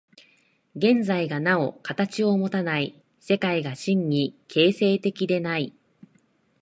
現在がなお形をもたない、世界が真に形成的でない。